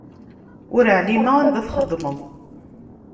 Ur εlimeɣ anda txeddmeḍ.